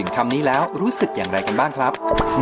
กราฟงงหรือครับ